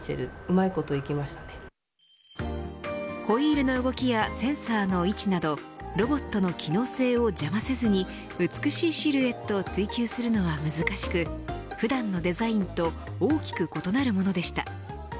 ホイールの動きやセンサーの位置などロボットの機能性を邪魔せずに美しいシルエットを追求するのは難しく普段のデザインと大きく異なるものでした。